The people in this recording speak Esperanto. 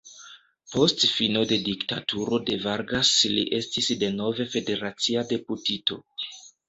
Post fino de diktaturo de Vargas li estis denove federacia deputito.